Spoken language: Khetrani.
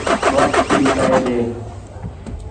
وخت تی پئے ڄے